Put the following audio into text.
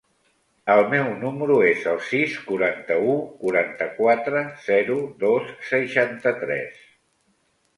El meu número es el sis, quaranta-u, quaranta-quatre, zero, dos, seixanta-tres.